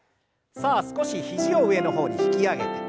さあ少し肘を上の方に引き上げて。